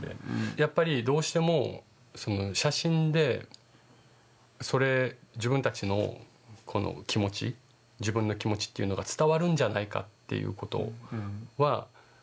やっぱりどうしてもその写真で自分たちのこの気持ち自分の気持ちっていうのが伝わるんじゃないかっていうことは模索するっていうか